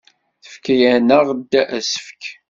Tefka-aneɣ-d asefk.